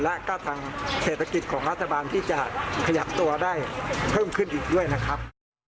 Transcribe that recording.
และก็ทางเศรษฐกิจของรัฐบาลที่จะขยับตัวได้เพิ่มขึ้นอีกด้วยนะครับ